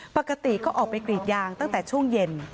ปกติก็ออกไปกรีดยางตั้งแต่ช่วงเย็น